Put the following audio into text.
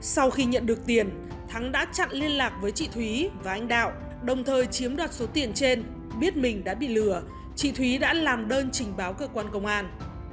sau khi nhận được tiền thắng đã chặn liên lạc với chị thúy và anh đạo đồng thời chiếm đoạt số tiền trên biết mình đã bị lừa chị thúy đã làm đơn trình báo cơ quan công an